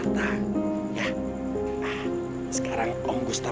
dadah tentu dina